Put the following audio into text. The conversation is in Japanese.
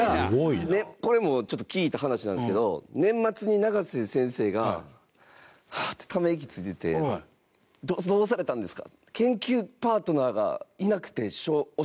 これも、ちょっと聞いた話なんですけど年末に、永瀬先生がはあって、ため息ついててどうされたんですか？